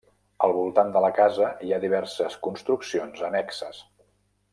Al voltant de la casa hi ha diverses construccions annexes.